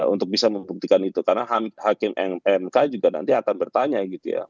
untuk bisa membuktikan itu karena hakim mk juga nanti akan bertanya gitu ya